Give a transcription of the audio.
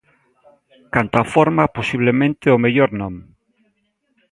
Canto á forma, posiblemente ao mellor non.